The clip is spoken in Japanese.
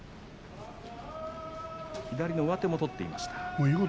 左の上手も取っていました。